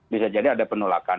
bisa jadi ada penolakan